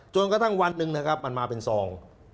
จนกระทั่งวันหนึ่งนะครับมันมาเป็นซอง